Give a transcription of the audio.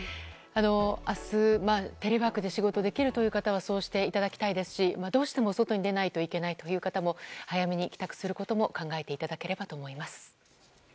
あす、テレワークで仕事できるという方は、そうしていただきたいですし、どうしても外に出ないといけないという方も、早めに帰宅することも考えていただければと思います。